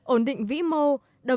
ổn định vĩ mô